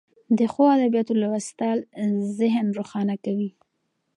د ښو ادبیاتو لوستل ذهن روښانه کوي.